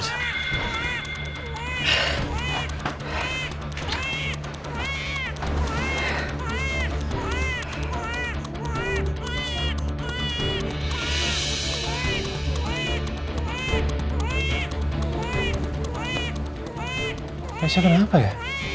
nangisnya kenapa ya